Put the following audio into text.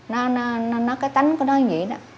nó cái tánh của nó như vậy nè